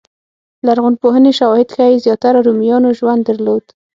لرغونپوهنې شواهد ښيي زیاتره رومیانو ژوند درلود.